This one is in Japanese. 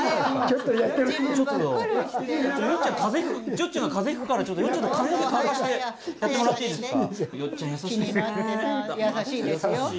よっちゃんが風邪ひくからちょっとよっちゃんの髪の毛乾かしてやってもらっていいですか。